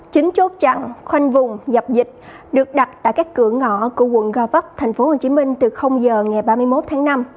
chính chốt chặn khoanh vùng dập dịch được đặt tại các cửa ngõ của quận gò vấp thành phố hồ chí minh từ giờ ngày ba mươi một tháng năm